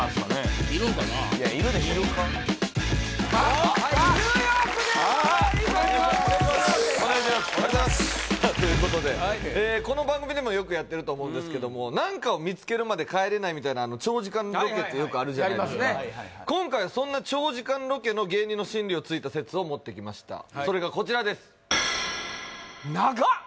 お願いしますさあということでこの番組でもよくやってると思うんですけども何かを見つけるまで帰れないみたいな長時間ロケってよくあるじゃないですか今回そんな長時間ロケの芸人の心理を突いた説を持ってきましたそれがこちらです長っ！